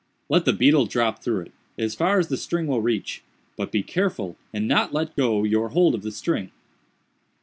"Let the beetle drop through it, as far as the string will reach—but be careful and not let go your hold of the string."